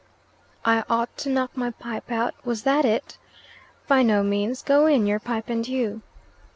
"I ought to knock my pipe out? Was that it?" "By no means. Go in, your pipe and you."